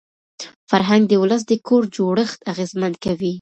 فرهنګ د ولس د کور جوړښت اغېزمن کوي.